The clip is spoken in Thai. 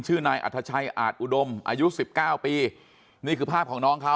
นายอัธชัยอาจอุดมอายุสิบเก้าปีนี่คือภาพของน้องเขา